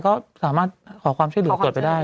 ก็สามารถขอความชื่อหรือตรวจไปได้